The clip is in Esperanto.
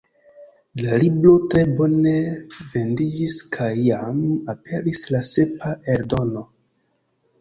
La libro tre bone vendiĝis kaj jam aperis la sepa eldono.